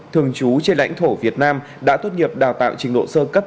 thường trú trên lãnh thổ việt nam đã tốt nghiệp đào tạo trình độ sơ cấp